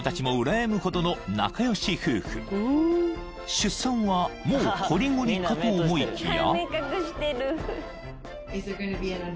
［出産はもうこりごりかと思いきや］